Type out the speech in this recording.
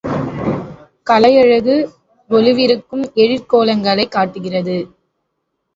கலையழகு கொலுவிருக்கும் எழிற் கோலங்களைக் காட்டுகிறது.